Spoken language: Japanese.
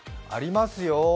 ありますよ。